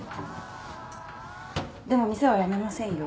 でも店は辞めませんよ。